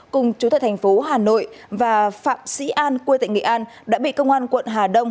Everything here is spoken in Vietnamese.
cùng chú tại thành phố hà nội và phạm sĩ an quê tại nghệ an đã bị công an quận hà đông